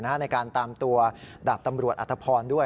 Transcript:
ในการตามตัวดาบตำรวจอัตภพรด้วย